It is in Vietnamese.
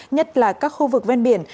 nhất là các khu vực ven biển